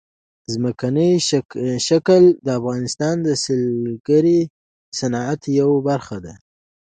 ځمکنی شکل د افغانستان د سیلګرۍ د صنعت یوه برخه ده.